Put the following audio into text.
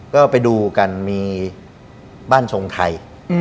ก็ไปดูกันมีบ้านทรงไทย